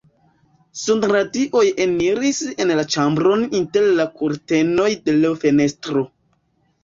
Sunradioj eniris en la ĉambron inter la kurtenoj de l' fenestro.